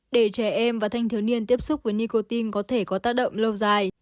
để trẻ em và thanh thiếu niên tiếp xúc với nicotine có thể có tác động lâu dài